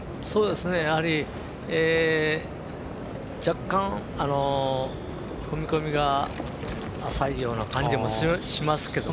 やはり若干、踏み込みが浅いような感じもしますけど。